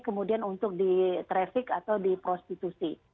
kemudian untuk ditraffic atau diprostitusi